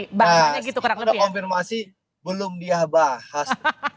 nah kalau konfirmasi belum dia bahas